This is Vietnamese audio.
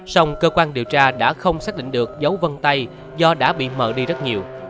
song cơ quan điều tra đã không xác định được dấu vân tay do đã bị mờ đi rất nhiều